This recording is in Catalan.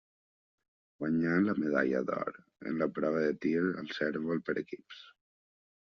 Guanyà la medalla d'or en la prova de tir al cérvol per equips.